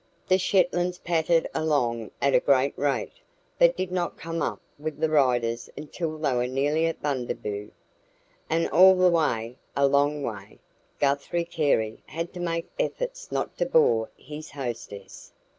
The Shetlands pattered along at a great rate, but did not come up with the riders until they were nearly at Bundaboo. And all the way a long way Guthrie Carey had to make efforts not to bore his hostess.